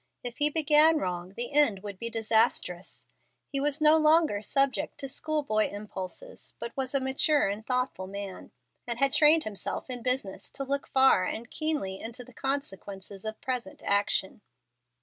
If he began wrong, the end would be disastrous. He was no longer subject to school boy impulses, but was a mature and thoughtful man, and had trained himself in business to look far and keenly into the consequences of present action.